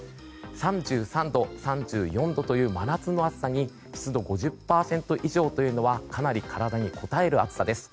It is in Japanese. ３３度、３４度という真夏の暑さに湿度５０％以上はかなり体にこたえる暑さです。